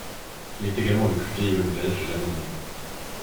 Il est également le plus vieil homme belge jamais né.